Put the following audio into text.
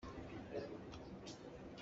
Mah le mah i thah hi ralchiat bia a si.